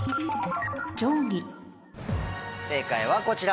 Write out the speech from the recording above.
正解はこちら。